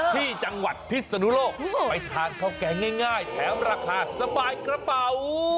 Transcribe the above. ไปทานข้าวแกงง่ายแถมราคาสบายกระเป๋า